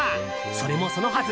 それもそのはず